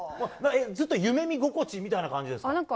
ずっと夢見心地みたいな感じですか。